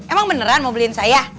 emang beneran mau beliin saya